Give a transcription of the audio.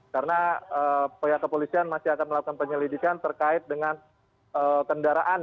karena pihak kepolisian masih akan melakukan penyelidikan terkait dengan kendaraan